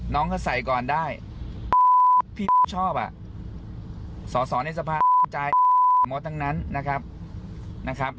น้องก็ใส่ก่อนได้พี่ชอบอ่ะสอสอในสภาภูมิใจหมดทั้งนั้นนะครับ